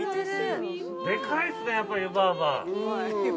◆でかいっすね、やっぱり湯婆婆。